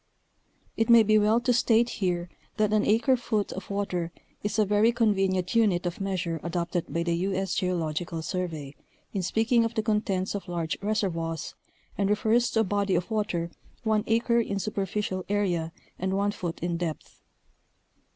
It may be well to state here that an acre foot of water is a very convenient unit of measure adopted by the U. 8. Geological Survey in speak ing of the contents of large reservoirs, and refers to a body of water one acre in superficial area and one foot in depth.